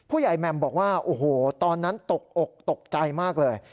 แหม่มบอกว่าโอ้โหตอนนั้นตกอกตกใจมากเลย